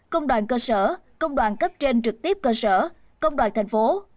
công đoàn cơ sở công đoàn cấp trên trực tiếp cơ sở công đoàn thành phố